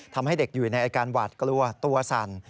ทำให้เด็กอยู่ในอาการหวาดกลัวตัวสั่น